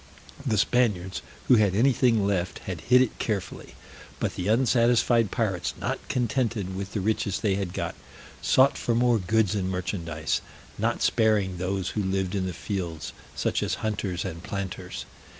The Spaniards who had anything left had hid it carefully; but the unsatisfied pirates, not contented with the riches they had got, sought for more goods and merchandise, not sparing those who lived in the fields, such as hunters and planters.